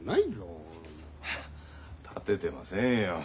立ててませんよ。